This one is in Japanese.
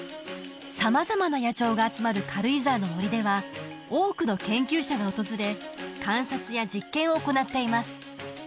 様々な野鳥が集まる軽井沢の森では多くの研究者が訪れ観察や実験を行っています